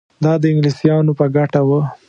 دا د انګلیسیانو په ګټه وه.